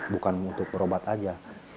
bukan untuk berobat saja